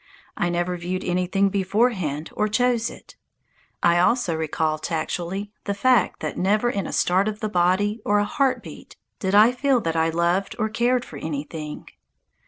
I never viewed anything beforehand or chose it. I also recall tactually the fact that never in a start of the body or a heart beat did I feel that I loved or cared for anything.